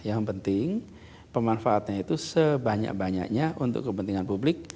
yang penting pemanfaatannya itu sebanyak banyaknya untuk kepentingan publik